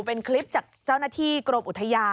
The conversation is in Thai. เป็นคลิปจากเจ้าหน้าที่กรมอุทยาน